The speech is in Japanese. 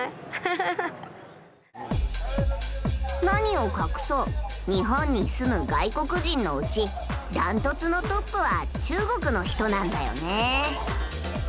何を隠そう日本に住む外国人のうちダントツのトップは中国の人なんだよねえ。